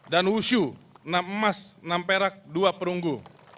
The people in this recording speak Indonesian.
dan wushu enam emas enam perak dua perunggu